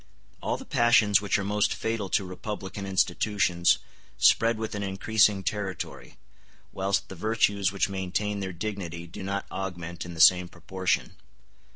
] All the passions which are most fatal to republican institutions spread with an increasing territory, whilst the virtues which maintain their dignity do not augment in the same proportion.